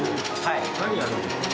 何やるんですか？